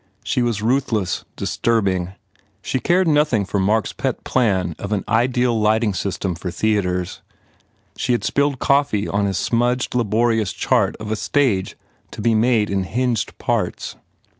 She was ruthless, disturbing. She cared nothing for Mark s pet plan of an ideal lighting system for theatres. She had spilled coffee on his smudged, laborious chart of a stage to be made in hinged parts.